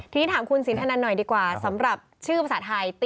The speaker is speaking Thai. นี่ถามคุณสินทะนันหน่อยดีกว่าสำหรับประสาทไทย